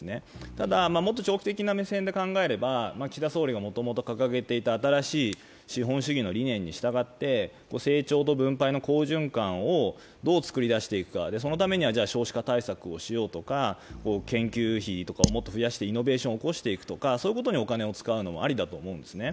ただ、もっと長期的な目線で考えれば岸田総理がもともと掲げていた新しい資本主義の理念に従って成長と分配の好循環をどう作り出していくか、そのためには少子化対策をしようとか研究費とかをもっと増やしてイノベーションを起こしていくとか、そういうことにお金を使うのもありだと思うんですね。